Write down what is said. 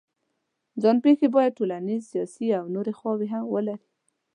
ځان پېښې باید ټولنیز، سیاسي او نورې خواوې هم ولري.